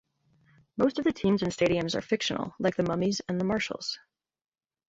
Most of the teams and stadiums are fictional like the Mummies and the Marshalls.